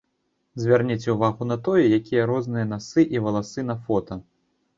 Звярніце ўвагу на тое, якія розныя насы і валасы на фота.